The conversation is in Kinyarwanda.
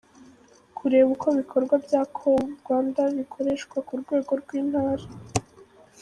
Kureba uko ibikorwa bya Call Rwanda bikoreshwa ku rwego rw’intara .